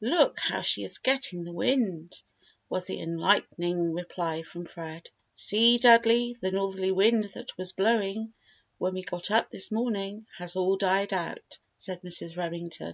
Look, how she is getting the wind," was the enlightening reply from Fred. "See, Dudley, the northerly wind that was blowing when we got up this morning, has all died out," said Mrs. Remington.